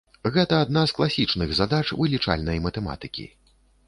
Гэта адна з класічных задач вылічальнай матэматыкі.